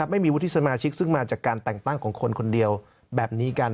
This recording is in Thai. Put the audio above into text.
ไม่มีวุฒิสมาชิกซึ่งมาจากการแต่งตั้งของคนคนเดียวแบบนี้กัน